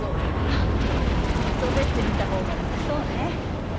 アハッ寝そべって見た方が楽そうね。